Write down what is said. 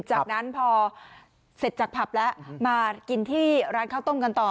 จากนั้นพอเสร็จจากผับแล้วมากินที่ร้านข้าวต้มกันต่อ